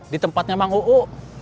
di tempatnya bang uu